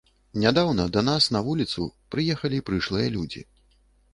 Нядаўна да нас на вуліцу пераехалі прышлыя людзі.